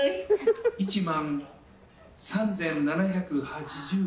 １万３７８０円。